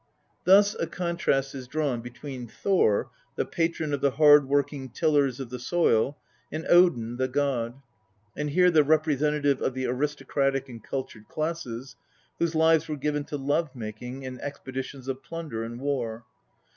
Thus a contrast is drawn between Thor, the patron of the hard working tillers of the soil, and Odin, the god, and here the repre sentative, of the aristocratic and cultured classes, whose lives were given to love making and expeditions of plunder and war.